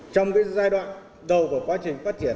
trong giai đoạn đầu của quá trình phát triển